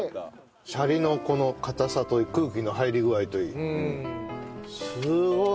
シャリのこの硬さといい空気の入り具合といいすごい。